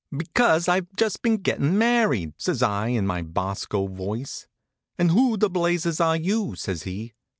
"Because I've just been gettin' married," says I, in my Bosco voice. "And who the blazes are you?" says he.